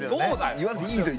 言わんでいいですよ